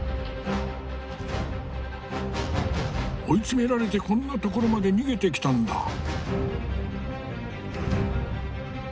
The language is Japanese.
追い詰められてこんなところまで逃げてきたんだ。